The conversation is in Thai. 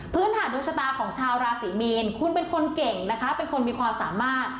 ฐานดวงชะตาของชาวราศีมีนคุณเป็นคนเก่งนะคะเป็นคนมีความสามารถ